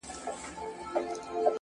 پرمختګ له زده کړې ځواک اخلي